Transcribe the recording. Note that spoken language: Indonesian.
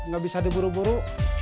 gak bisa diburu buru